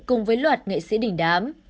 cùng với luật nghệ sĩ đỉnh đám